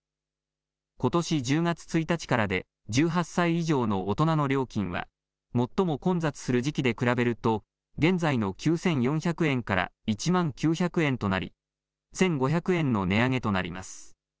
ことし１０月１日からで１８歳以上の大人の料金は最も混雑する時期で比べると現在の９４００円から１万９００円となり１５００円の値上げとなります。